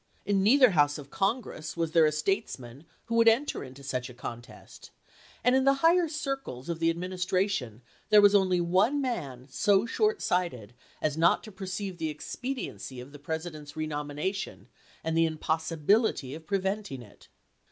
In neither House of Congress was there a statesman who would enter into such a contest ; and in the higher circles of the Ad ministration there was only one man so short sighted as not to perceive the expediency of the President's renomination and the impossibility of preventing it.